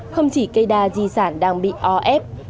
không chỉ cây đa di sản đang bị o ép bởi trợ tạm họp hàng ngày